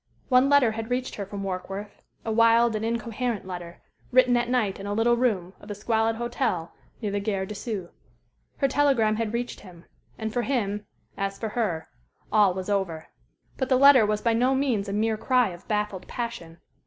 One letter had reached her from Warkworth, a wild and incoherent letter, written at night in a little room of a squalid hotel near the Gare de Sceaux. Her telegram had reached him, and for him, as for her, all was over. But the letter was by no means a mere cry of baffled passion.